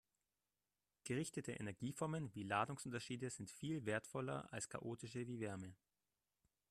Gerichtete Energieformen wie Ladungsunterschiede sind viel wertvoller als chaotische wie Wärme.